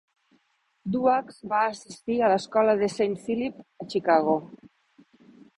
Duax va assistir a l'Escola de Saint Phillip a Chicago.